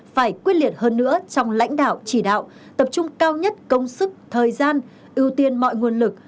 phải quyết liệt hơn nữa trong lãnh đạo chỉ đạo tập trung cao nhất công sức thời gian ưu tiên mọi nguồn lực